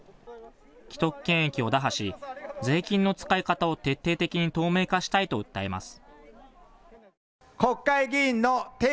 既得権益を打破し、税金の使い方を徹底的に透明化したいと訴えます。